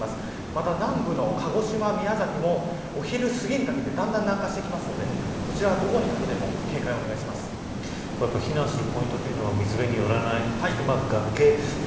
また、南部の鹿児島宮崎も昼すぎにかけてだんだん南下してくるのでこちら午後にかけても避難するポイントというのは水辺に寄らない。